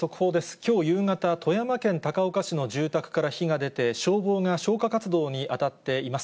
きょう夕方、富山県高岡市の住宅から火が出て、消防が消火活動に当たっています。